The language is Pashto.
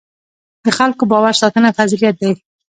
د خلکو باور ساتنه فضیلت دی.